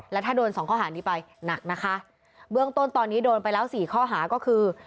แล้วถ้าโดนสองข้อหานี้ไปหนักนะคะเบื้องต้นตอนนี้โดนไปแล้วสี่ข้อหาก็คือ